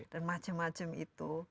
dan macam macam itu